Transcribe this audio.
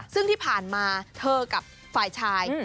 ซึ่งที่ผ่านมาเธอกับฝ่ายชาย